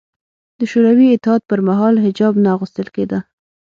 د شوروي اتحاد پر مهال حجاب نه اغوستل کېده